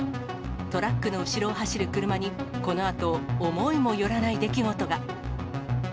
トラックの後ろを走る車に、このあと、思いも寄らない出来事が。